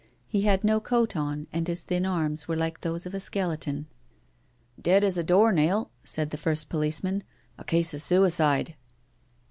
He had no coat on and his thin arms were like those of a skeleton. " Dead as a door nail," said the first policeman. " A case of suicide."